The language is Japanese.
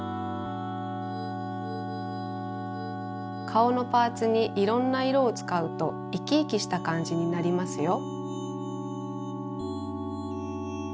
かおのパーツにいろんないろをつかうといきいきしたかんじになりますよ。